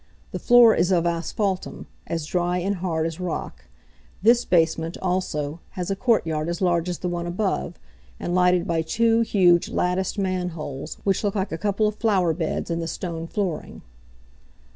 The floor is of asphaltum, as dry and hard as rock. This basement, also, has a courtyard as large as the one above, and lighted by two huge latticed manholes, which look like a couple of green flower beds in the stone flooring.